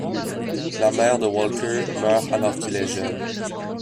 La mère de Walker meurt alors qu'il est jeune.